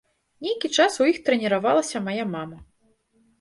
Нейкі час у іх трэніравалася мая мама.